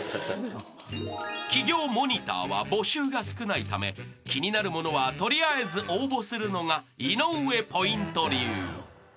［企業モニターは募集が少ないため気になるものは取りあえず応募するのが井上ポイント流］